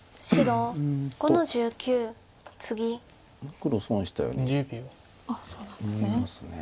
黒損したように見えます。